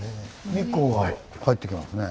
日光が入ってきますね。